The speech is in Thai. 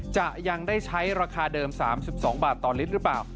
จะยังได้ใช้ราคาเดิม๓๒บาทต่อลิตรหรือเปล่า